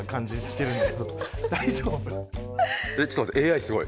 ちょっと待ってＡＩすごい。